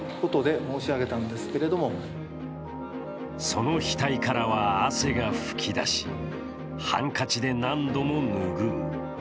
その額からは汗が噴き出しハンカチで何度も拭う。